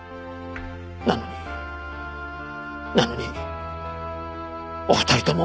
なのになのにお二人とも。